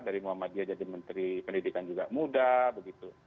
dari muhammadiyah jadi menteri pendidikan juga muda begitu